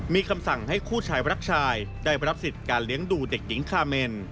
มีคำสั่งให้คู่ชายรักชายได้รับสิทธิ์การเลี้ยงดูเด็กหญิงคาเมน